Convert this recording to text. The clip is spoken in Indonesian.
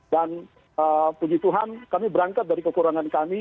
dan puji tuhan kami berangkat dari kekurangan kami